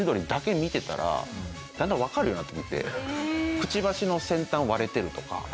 くちばしの先端割れてるとか。